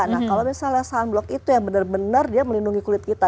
nah kalau misalnya sunblock itu ya benar benar dia melindungi kulit kita